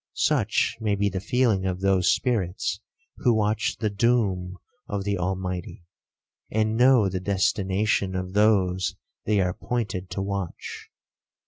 Such may be the feeling of those spirits who watch the doom of the Almighty, and know the destination of those they are appointed to watch.